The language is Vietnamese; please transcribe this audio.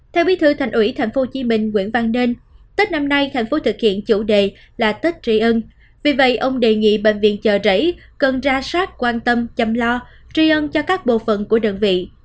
theo bị thư thành ủy tp hcm nguyễn văn nênh tết năm nay thành phố thực hiện chủ đề là tết trị ân vì vậy ông đề nghị bệnh viện chợ trẩy cần ra sát quan tâm chăm lo trị ân cho các bộ phận của đơn vị